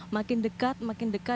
makin dekat makin dekat